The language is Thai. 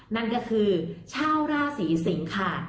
นั่นก็คือชาวราศีสิงค่ะ